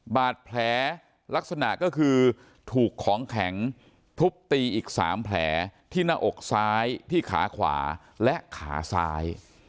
บาดแผลลักษณะก็คือถูกของแข็งทุบตีอีก๓แผลที่หน้าอกซ้ายที่ขาขวาและขาซ้าย